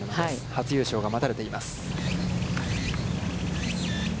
初優勝が待たれています。